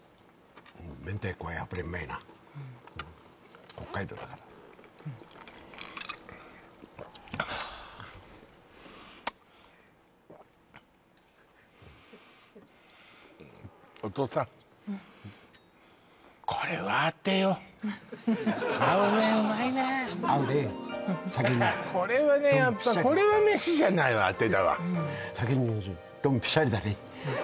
明太子はやっぱりうまいなうん北海道だからうんお父さん合うねうまいね合うね酒にこれはねやっぱこれは飯じゃないわアテだわドンピシャリだね